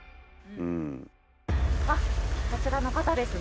あっあちらの方ですね。